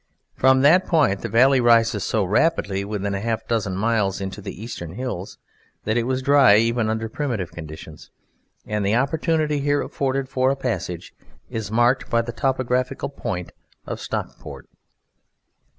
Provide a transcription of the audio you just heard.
From that point the valley rises so rapidly within half a dozen miles into the eastern hills that it was dry even under primitive conditions, and the opportunity here afforded for a passage is marked by the topographical point of Stockport.